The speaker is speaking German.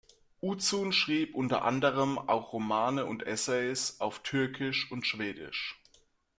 Uzun schrieb unter anderem auch Romane und Essays auf Türkisch und Schwedisch.